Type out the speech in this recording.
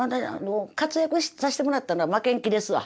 活躍さしてもらったのは負けん気ですわ。